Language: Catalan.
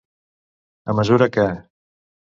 A mesura que.